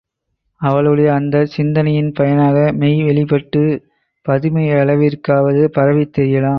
அவளுடைய அந்தச் சிந்தனையின் பயனாக மெய் வெளிப் பட்டுப் பதுமையளவிற்காவது பரவித் தெரியலாம்.